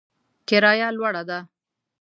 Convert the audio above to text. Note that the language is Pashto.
کرایه لوړه ده